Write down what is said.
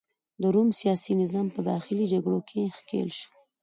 د روم سیاسي نظام په داخلي جګړو کې ښکیل شو.